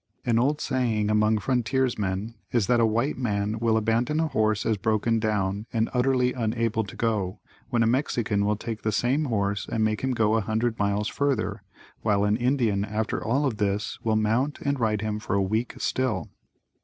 An old saying among frontiersmen is that a white man will abandon a horse as broken down and utterly unable to go when a Mexican will take that same horse and make him go a hundred miles further, while an Indian after all of this will mount and ride him for a week still.